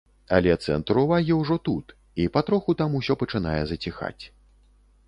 Але цэнтр увагі ўжо тут, і патроху там усё пачынае заціхаць.